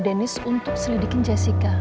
denis untuk selidikin jessica